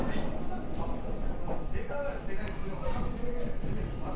でかいはでかいんですけど。